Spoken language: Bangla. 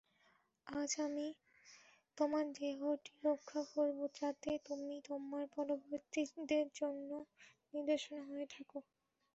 আজ আমি তোমার দেহটি রক্ষা করব যাতে তুমি তোমার পরবর্তীদের জন্য নিদর্শন হয়ে থাক।